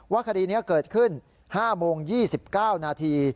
คดีนี้เกิดขึ้น๕โมง๒๙นาที